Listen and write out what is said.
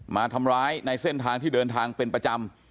มาทำร้ายในเส้นทางที่เดินทางเป็นประจำ